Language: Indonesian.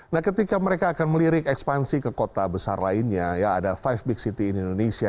nah ketika mereka akan melirik ekspansi ke kota besar lainnya ya ada lima big city di indonesia